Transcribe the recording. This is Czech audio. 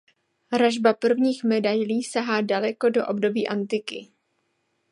Ražba prvních medailí sahá daleko do období antiky.